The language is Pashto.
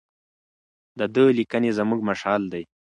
د ده لیکنې زموږ مشعل دي.